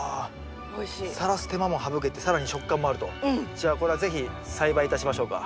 じゃあこれは是非栽培いたしましょうか。